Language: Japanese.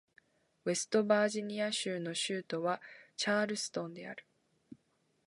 ウェストバージニア州の州都はチャールストンである